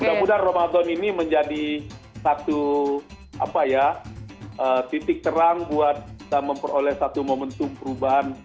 mudah mudahan ramadan ini menjadi satu titik terang buat kita memperoleh satu momentum perubahan